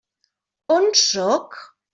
On sóc?